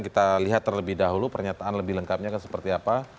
kita lihat terlebih dahulu pernyataan lebih lengkapnya akan seperti apa